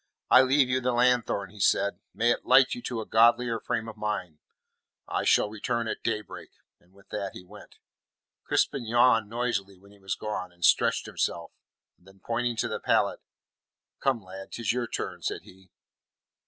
"I leave you the lanthorn," he said. "May it light you to a godlier frame of mind. I shall return at daybreak." And with that he went. Crispin yawned noisily when he was gone, and stretched himself. Then pointing to the pallet: "Come, lad, 'tis your turn," said he.